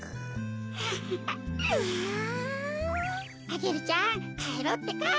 アゲルちゃんかえろうってか。